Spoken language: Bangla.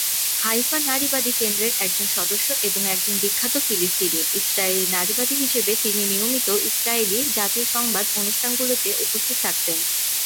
হাইফা নারীবাদী কেন্দ্রের একজন সদস্য এবং একজন বিখ্যাত ফিলিস্তিনি-ইসরায়েলি নারীবাদী হিসাবে, তিনি নিয়মিত ইসরায়েলি জাতীয় সংবাদ অনুষ্ঠানগুলিতে উপস্থিত থাকতেন।